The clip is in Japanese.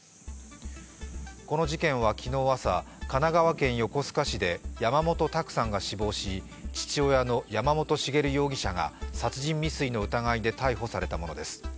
この事件は昨日朝、神奈川県横須賀市で山本卓さんが死亡し父親の山本茂容疑者が殺人未遂の疑いで逮捕されたものです。